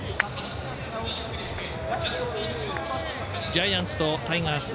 ジャイアンツとタイガース